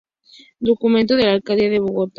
Documento de la alcaldía de Bogotá.